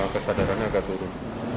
kesadarannya agak turun